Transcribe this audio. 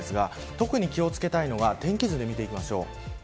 特に気を付けたいのが天気図で見ていきましょう。